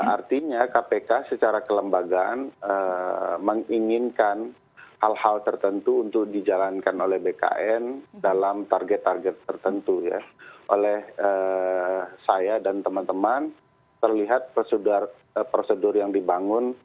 artinya kpk secara kelembagaan